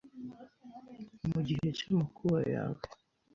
mu gihe cy’amakuba yawe,